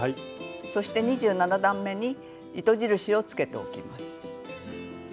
そして２７段めに糸印をつけておきます。